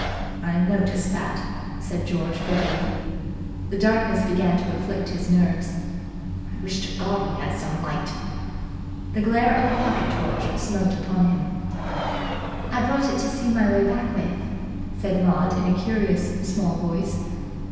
"I noticed that," said George bitterly. The darkness began to afflict his nerves. "I wish to God we had some light." The glare of a pocket torch smote upon him. "I brought it to see my way back with," said Maud in a curious, small voice.